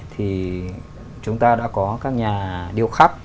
thì chúng ta đã có các nhà điêu khắp